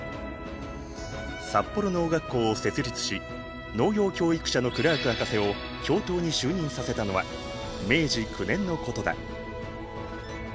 札幌農学校を設立し農業教育者のクラーク博士を教頭に就任させたのは明治９年のことだ。